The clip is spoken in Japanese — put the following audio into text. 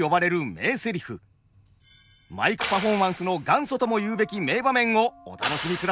マイクパフォーマンスの元祖ともいうべき名場面をお楽しみください。